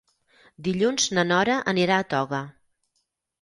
Dilluns na Nora anirà a Toga.